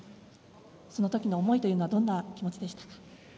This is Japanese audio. そのときの思いというのはどんな気持ちでしたか。